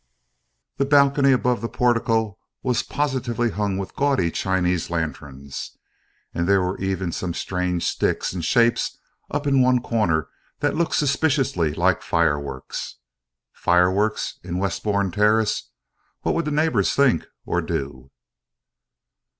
The balcony above the portico was positively hung with gaudy Chinese lanterns, and there were even some strange sticks and shapes up in one corner that looked suspiciously like fireworks. Fireworks in Westbourne Terrace! What would the neighbours think or do?